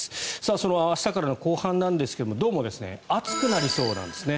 その明日からの後半なんですがどうも暑くなりそうなんですね。